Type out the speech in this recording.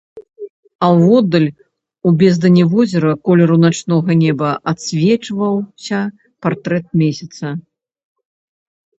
А воддаль у бездані возера, колеру начнога неба, адсвечваўся партрэт месяца.